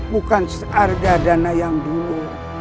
bukan argadana yang dulu